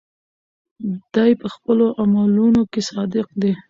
دی په خپلو عملونو کې صادق دی.